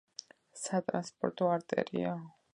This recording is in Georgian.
სატრანსპორტო არტერია